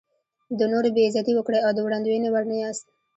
د نورو بې عزتي وکړئ او د وړاندوینې وړ نه یاست.